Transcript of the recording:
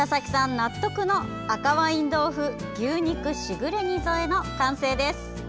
納得の赤ワイン豆腐牛肉しぐれ煮添え完成です。